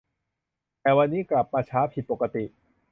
แต่วันนี้กลับมาช้าผิดปกติ